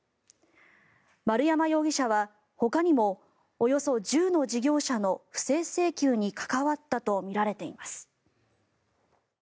丸山容疑者はほかにもおよそ１０の事業者の不正請求に関わったとみられています。